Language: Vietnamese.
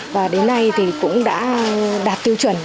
và đến nay thì cũng đã đạt tiêu chuẩn